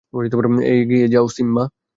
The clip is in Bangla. এগিয়ে যাও, সিম্বা!